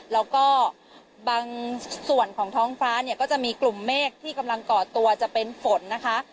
แล้วก็บางส่วนของท้องฟ้าเนี่ยก็จะมีกลุ่มเมฆที่กำลังก่อตัวจะเป็นฝนนะคะ